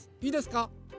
いいですか？